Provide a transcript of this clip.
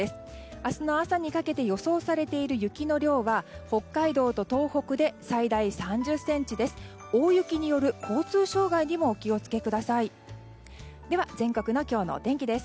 明日の朝にかけて予想されている雪の量は北海道と東北で最大３０ｃｍです。